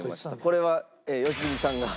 これは良純さんが。